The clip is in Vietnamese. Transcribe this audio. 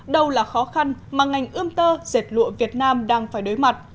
đâu là khó khăn mà ngành ươm tơ dệt lụa việt nam đang phải đối mặt